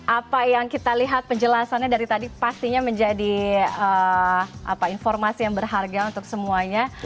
apa yang kita lihat penjelasannya dari tadi pastinya menjadi informasi yang berharga untuk semuanya